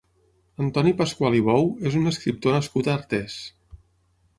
Antoni Pascual i Bou és un escriptor nascut a Artés.